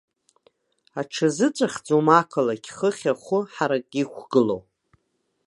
Аҽазыҵәахӡом ақалақь, хыхь ахәы ҳарак иқәгылоу.